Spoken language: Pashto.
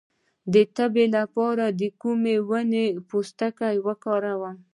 د تبې لپاره د کومې ونې پوستکی وکاروم؟